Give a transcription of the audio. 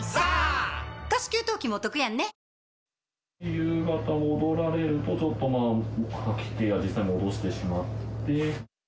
夕方戻られると、ちょっと吐き気や、実際に戻してしまって。